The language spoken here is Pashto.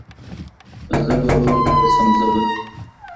زه به روغ جوړ سم زه به